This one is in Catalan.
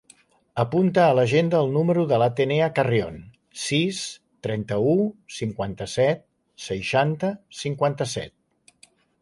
Apunta a l'agenda el número de l'Atenea Carrion: sis, trenta-u, cinquanta-set, seixanta, cinquanta-set.